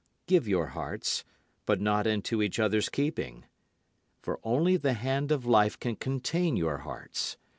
Give your hearts, but not into each other's keeping. For only the hand of Life can contain your hearts.